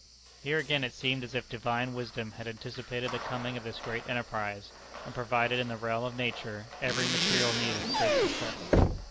Here again it seemed as if Divine wisdom had anticipated the coming of this great enterprise, and provided in the realm of nature every material needed for its success.